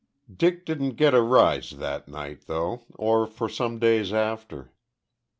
Dick didn't get a rise that night, though, or for some days after.